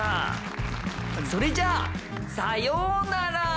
それじゃあさようなら。